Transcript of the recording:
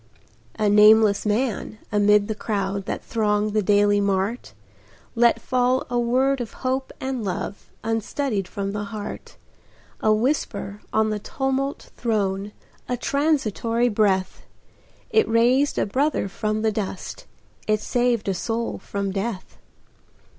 A nameless man, amid the crowd That thronged the daily mart, Let fall a word of hope and love, Unstudied from the heart, A whisper on the tumult thrown, A transitory breath, It raised a brother from the dust, It saved a soul from death.